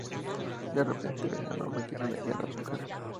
De repente, ven a una máquina de guerra chocar.